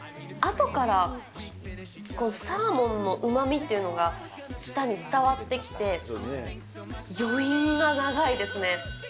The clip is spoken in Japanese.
あとからサーモンのうまみっていうのが舌に伝わってきて、余韻が長いですね。